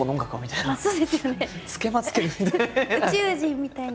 宇宙人みたいな。